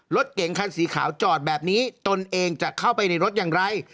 รถเก๋งคันสีขาวจอดแบบนี้ตนเองจะเข้าไปในรถอย่างไร